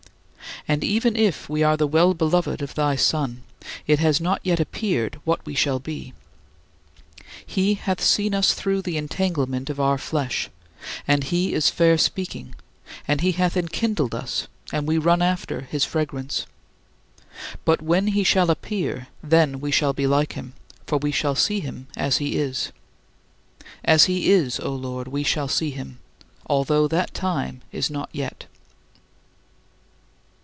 And even if we are the well beloved of thy Son, it has not yet appeared what we shall be. He hath seen us through the entanglement of our flesh, and he is fair speaking, and he hath enkindled us, and we run after his fragrance. But "when he shall appear, then we shall be like him, for we shall see him as he is." As he is, O Lord, we shall see him although that time is not yet.